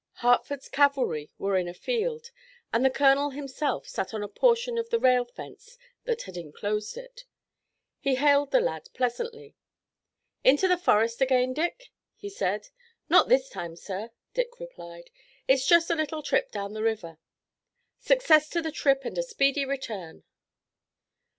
Hertford's cavalry were in a field, and the colonel himself sat on a portion of the rail fence that had enclosed it. He hailed the lad pleasantly. "Into the forest again, Dick," he said. "Not this time, sir," Dick replied. "It's just a little trip, down the river." "Success to the trip and a speedy return."